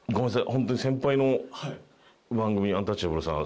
ホントに先輩の番組アンタッチャブルさん